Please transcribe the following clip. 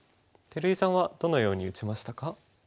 照井さんはどのように打ちましたか？